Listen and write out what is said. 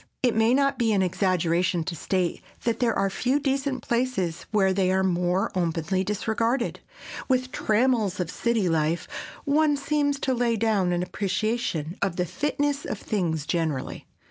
It may not be an exaggeration to state that there are few decent places where they are more openly disregarded. With the trammels of city life one seems to lay down an appreciation of the fitness of things generally.